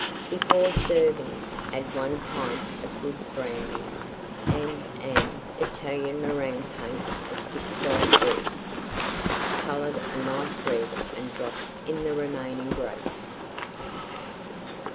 Before serving add 1 pint of good Brandy and an Italian Meringue Paste of six Egg whites, colored a nice red and drop in the remaining Grapes.